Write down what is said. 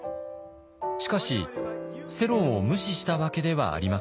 しかし世論を無視したわけではありません。